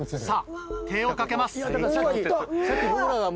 さぁ手をかけます。